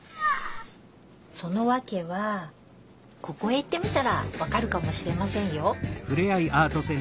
そのわけはここへ行ってみたらわかるかもしれませんよ。